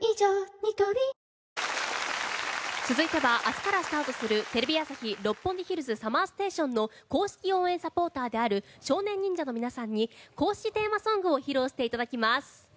ニトリ続いては明日からスタートする「テレビ朝日・六本木ヒルズＳＵＭＭＥＲＳＴＡＴＩＯＮ」公式応援サポーターである少年忍者の皆さんに公式テーマソングを披露していただきます。